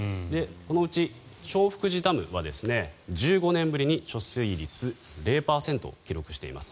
このうち長福寺ダムは１５年ぶりに貯水率０％を記録しています。